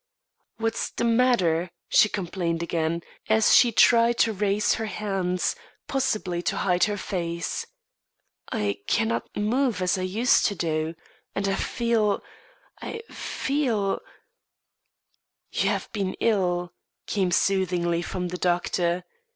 "What's the matter?" she complained again, as she tried to raise her hands, possibly to hide her face. "I cannot move as I used to do, and I feel I feel " "You have been ill," came soothingly from the doctor.